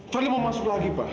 coba mau masuk lagi pak